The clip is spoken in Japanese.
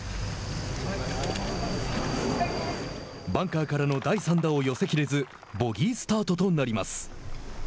バンカーからの第３打を寄せ切れずボギースタートとなります。